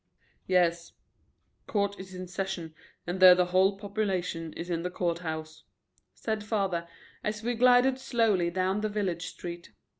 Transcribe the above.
"Yes, court is in session and there the whole population is in the courthouse," said father, as we glided slowly down the village street.